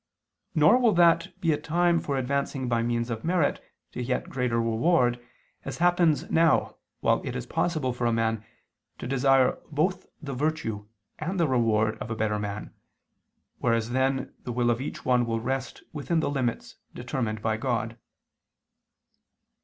Nor will that be a time for advancing by means of merit to a yet greater reward, as happens now while it is possible for a man to desire both the virtue and the reward of a better man, whereas then the will of each one will rest within the limits determined by God.